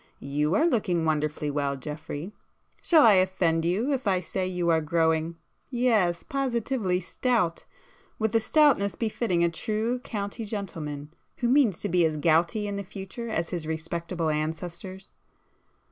You are looking wonderfully well, Geoffrey!—shall I offend you if I say you are growing—yes—positively [p 340] stout?—with the stoutness befitting a true county gentleman, who means to be as gouty in the future as his respectable ancestors?"